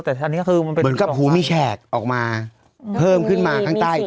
แต่อันนี้ก็คือมันเป็นเหมือนกับหูมีแฉกออกมาเพิ่มขึ้นมาข้างใต้